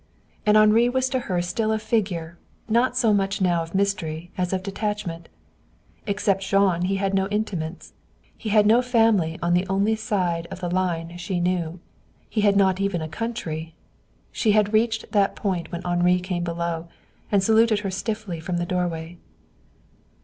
And Henri was to her still a figure, not so much now of mystery as of detachment. Except Jean he had no intimates. He had no family on the only side of the line she knew. He had not even a country. She had reached that point when Henri came below and saluted her stiffly from the doorway.